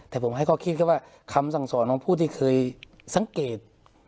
แต่ผมให้ข้อคิดแค่ว่าคำสั่งสอนของผู้ที่เคยสังเกต